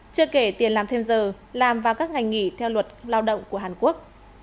chưa kể tiền làm thêm giờ làm vào các ngành nghỉ theo luật lao động của hàn quốc